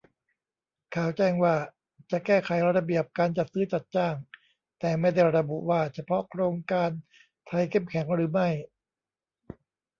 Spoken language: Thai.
ข่าวแจ้งว่า จะแก้ไขระเบียบการจัดซื้อจัดจ้าง แต่ไม่ได้ระบุว่าเฉพาะโครงการไทยเข้มแข็งหรือไม่